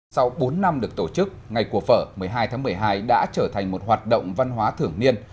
sau bốn năm được tổ chức ngày của phở một mươi hai tháng một mươi hai đã trở thành một hoạt động văn hóa thưởng niên